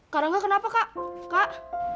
karangga kenapa kak kak